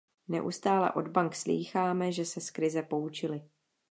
Neustále od bank slýcháme, že se z krize poučily.